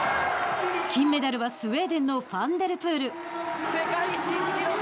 金メダルはスウェーデンのファンデルプール。